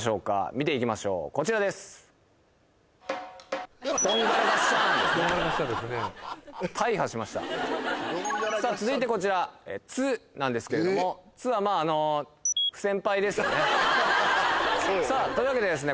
見ていきましょうこちらですさあ続いてこちらツなんですけれどもツはまああのさあというわけでですね